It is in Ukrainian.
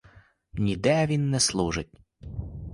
Ніде він не служить.